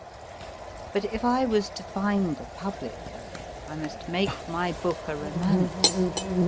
But if I was to find a public I must make my book a romance.